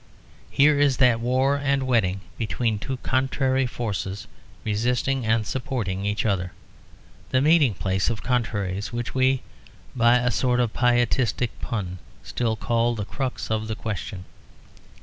Here is that war and wedding between two contrary forces, resisting and supporting each other; the meeting place of contraries which we, by a sort of pietistic pun, still call the crux of the question.